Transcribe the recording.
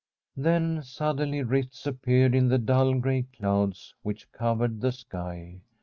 Then suddenly rifts appeared in the dull gray clouds which covered the sky.